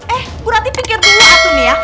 eh bu rati pikir dulu atun ya